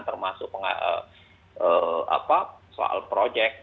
termasuk soal proyek